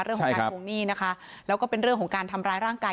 เรื่องของการทวงหนี้นะคะแล้วก็เป็นเรื่องของการทำร้ายร่างกาย